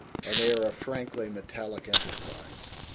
An air of frankly metallic enterprise.